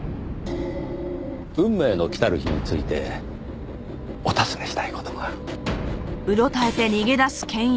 『運命の来たる日』についてお尋ねしたい事が。